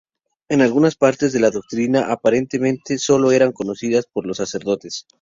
En algunas, partes de la doctrina aparentemente solo eran conocidas por los sacerdotes.